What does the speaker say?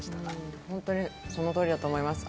本当にその通りだと思います。